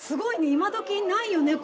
今どきないよね